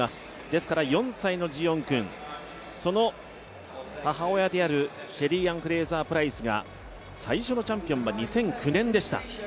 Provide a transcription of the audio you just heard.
ですから４歳のジオン君、その母親であるシェリーアン・フレイザー・プライスが最初のチャンピオンは２００９年でした。